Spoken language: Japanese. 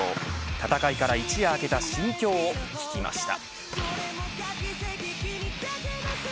戦いから一夜明けた心境を聞きました。